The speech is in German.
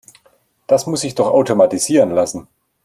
Das muss sich doch automatisieren lassen.